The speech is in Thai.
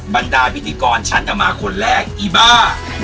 บรรดาพิธีกรชั้นอมาคนแรกอีบ้า